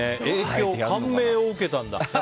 影響、感銘を受けたんだ。